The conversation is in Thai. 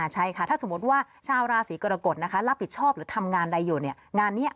ใช่ค่ะถ้าสมมติว่าชาวราศีกรกฎนะคะรับผิดชอบหรือทำงานใดอยู่เนี่ยงานนี้